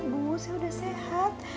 enggak bu saya sudah sehat